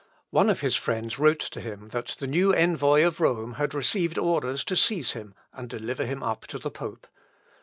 One of his friends wrote to him, that the new envoy of Rome had received orders to seize him, and deliver him up to the pope.